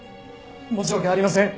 申し訳ありません！